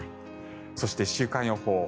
そして、週間予報。